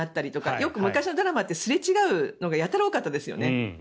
よく昔のドラマってすれ違うのがやたら多かったですよね。